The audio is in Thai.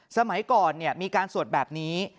สมัยก่อนมีการสวดแบบนี้